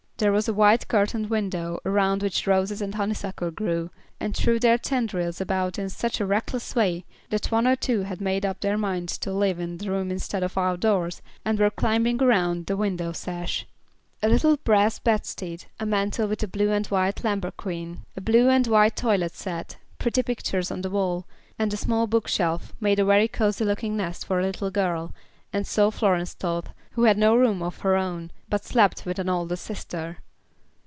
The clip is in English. There was a white curtained window around which roses and honeysuckle grew, and threw their tendrils about in a such a reckless way, that one or two had made up their minds to live in the room instead of outdoors, and were climbing around the window sash. A little brass bedstead, a mantel with a blue and white lambrequin, a blue and white toilet set, pretty pictures on the wall, and a small bookshelf, made a very cozy looking nest for a little girl, and so Florence thought, who had no room of her own, but slept with an older sister.